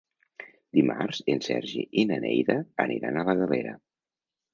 Dimarts en Sergi i na Neida aniran a la Galera.